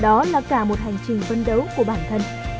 đó là cả một hành trình phân đấu của bản thân